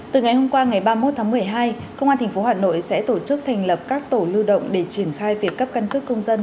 từ ngày hôm qua ngày ba mươi một tháng một mươi hai công an tp hà nội sẽ tổ chức thành lập các tổ lưu động để triển khai việc cấp căn cước công dân